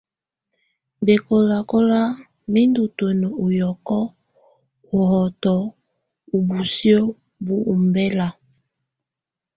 Bɛkɔlakɔla, mɛ ndù tùǝ́nǝ ù yɔkɔ ù hɔtɔ ubusiǝ́ bu ɔmbela.